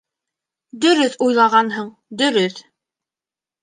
— Дөрөҫ уйлағанһың, дөрөҫ.